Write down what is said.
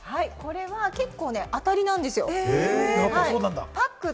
これは結構、当たりなんですよ。